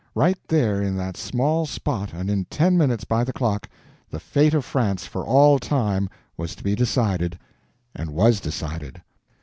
Right there in that small spot, and in ten minutes by the clock, the fate of France, for all time, was to be decided, and was decided.